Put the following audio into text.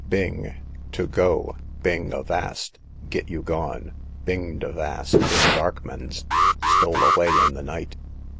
Bing, to go, bing avast; get you gone. Binged avast in a darkmans; stole away in the night.